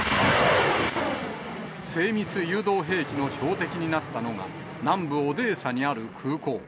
精密誘導兵器の標的になったのが、南部オデーサにある空港。